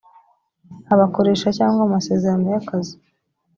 abakoresha cyangwa mu masezerano y akazi